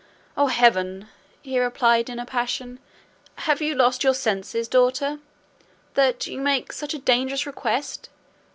"O heaven!" he replied in a passion, "have you lost your senses, daughter, that you make such a dangerous request?